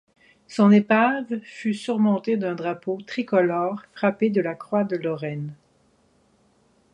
Son épave fut surmontée d’un drapeau tricolore frappé de la croix de Lorraine.